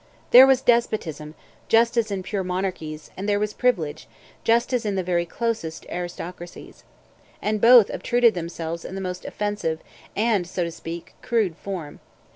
There was despotism, just as in pure monarchies, and there was privilege, just as in the very closest aristocracies. And both obtruded themselves in the most offensive, and, so to speak, crude form.